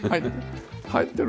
入ってる。